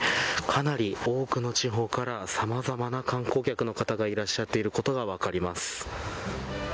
かなり多くの地方からさまざまな観光客の方がいらっしゃっていることが分かります。